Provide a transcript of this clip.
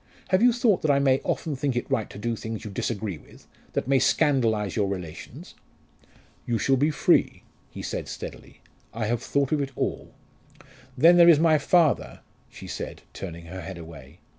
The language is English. Have you thought that I may often think it right to do things you disagree with, that may scandalise your relations?" "You shall be free," he said steadily. "I have thought of it all." "Then there is my father," she said, turning her head away.